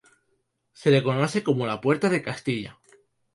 Se le conoce como la "Puerta de Castilla".